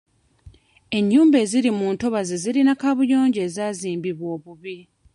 Enyumba eziri mu ntobazi zirina kaabuyoonjo ezaazimbibwa obubi.